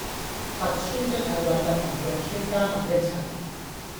核酸即係核突同肉酸加埋一齊